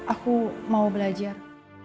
aku mau belajar